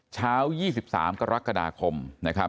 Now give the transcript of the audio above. เช้า๒๓กรกฎาคมนะครับ